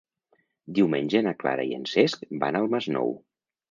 Diumenge na Clara i en Cesc van al Masnou.